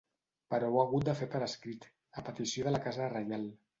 Però ho ha hagut de fer per escrit, a petició de la casa reial.